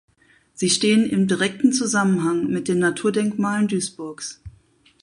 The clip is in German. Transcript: Sie stehen im direkten Zusammenhang mit den Naturdenkmalen Duisburgs.